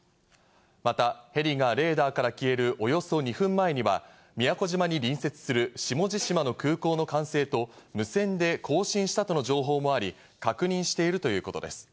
またヘリがレーダーから消えるおよそ２分前には、宮古島に隣接する下地島の空港の管制と無線で交信したとの情報もあり、確認しているということです。